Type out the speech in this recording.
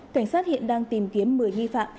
cảnh sát hiện đang tìm kiếm một mươi nghi phạm